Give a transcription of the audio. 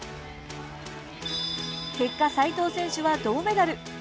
結果、齋藤選手は銅メダル。